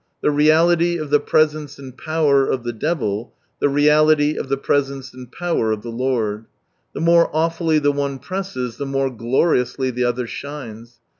The reality of the presence and power of the devil ; the reality of the presence and power of the Lord. The more awfully the one presses, the more gloriously the Other shines.